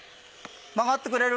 曲がってくれる？